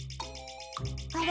あれ？